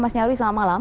mas nyarwi selamat malam